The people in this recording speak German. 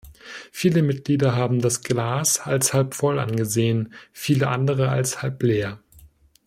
Viele Mitglieder haben das Glas als halb voll angesehen, viele andere als halb leer.